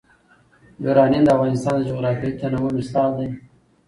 یورانیم د افغانستان د جغرافیوي تنوع مثال دی.